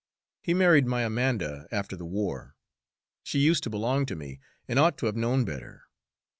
He married my Amanda after the war she used to belong to me, and ought to have known better.